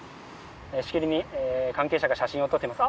しきりに関係者が写真を撮っています。